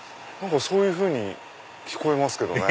そういうふうに聞こえますけどね。